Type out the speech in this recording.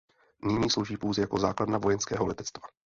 Nyní slouží pouze jako základna vojenského letectva.